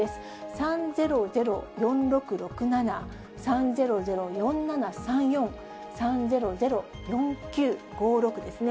３００４６６７、３００４７３４、３００４９５６ですね。